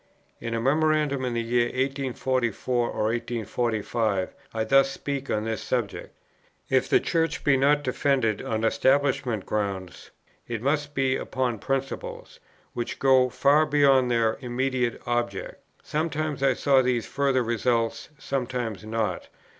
In a memorandum of the year 1844 or 1845, I thus speak on this subject: "If the Church be not defended on establishment grounds, it must be upon principles, which go far beyond their immediate object. Sometimes I saw these further results, sometimes not.